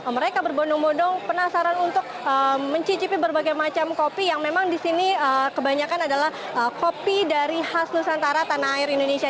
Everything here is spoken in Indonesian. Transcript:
mereka berbondong bondong penasaran untuk mencicipi berbagai macam kopi yang memang di sini kebanyakan adalah kopi dari khas nusantara tanah air indonesia